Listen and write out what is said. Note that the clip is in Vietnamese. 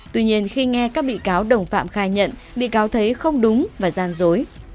tuy nhiên khi nghe các bị cáo đồng phạm khai nhận bị cáo thấy không đúng và gian dối